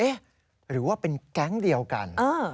หรือว่าเป็นแก๊งเดียวกัน